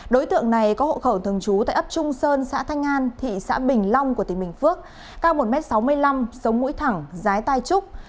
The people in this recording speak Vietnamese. đối tượng này có hộ khẩu thường trú tại ấp trung sơn xã thanh an thị xã bình long của tỉnh bình phước cao một m sáu mươi năm sống mũi thẳng giái tai trúc